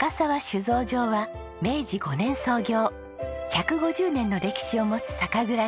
酒造場は明治５年創業１５０年の歴史を持つ酒蔵です。